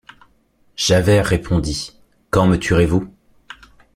Javert répondit: — Quand me tuerez-vous?